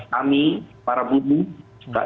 kami para buruh